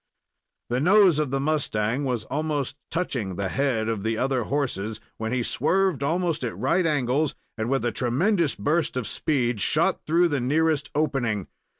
The nose of the mustang was almost touching the head of the other horses, when he swerved almost at right angles, and, with a tremendous burst of speed, shot through the nearest "opening."